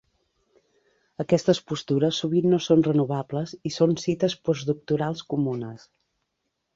Aquestes postures sovint no són renovables i són cites postdoctorals comunes.